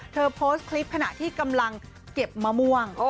โพสต์คลิปขณะที่กำลังเก็บมะม่วง